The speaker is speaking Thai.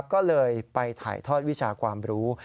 ก็เลยไปถ่ายทอดวิชาความรู้